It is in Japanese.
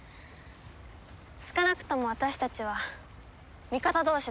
少なくとも私たちは味方同士だから。